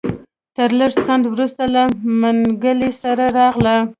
تر لږ ځنډ وروسته له منګلي سره راغله.